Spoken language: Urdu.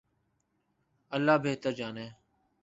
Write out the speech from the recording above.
اللہ بہتر جانے۔